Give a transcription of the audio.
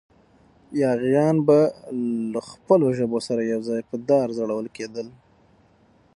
یاغیان به له خپلو ژبو سره یو ځای په دار ځړول کېدل.